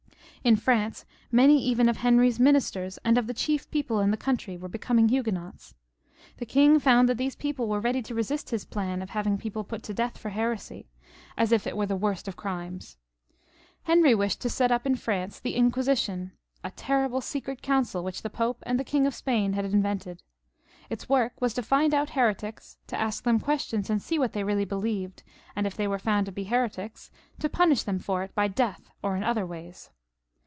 In France many even of Henry's ministers and of the chief people in the country were becoming Huguenots. The king found that these people were ready to resist his plan of having people put to death for heresy, as if it were the worst of crimes. Henry wished to set up in France the Inquisition — a terrible secret council which the Pope and the King of Spain had invented. Its work was to find out heretics, to ask them questions and see what they really believed, and if they were found to be heretics, to * punish them for it by death, or in other ways.